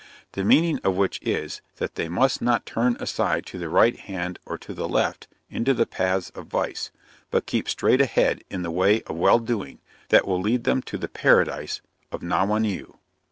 The meaning of which is, that they must not turn aside to the right hand or to the left into the paths of vice, but keep straight ahead in the way of well doing, that will lead them to the paradise of Nauwaneu.